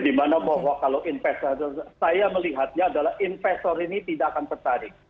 dimana bahwa kalau investor saya melihatnya adalah investor ini tidak akan tertarik